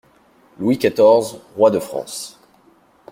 Louis quatorze, roi de France.